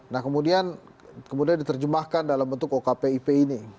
nah kemudian diterjemahkan dalam bentuk okpip ini